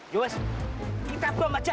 jules kita buang saja